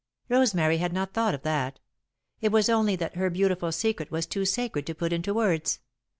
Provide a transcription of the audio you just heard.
Rosemary had not thought of that. It was only that her beautiful secret was too sacred to put into words.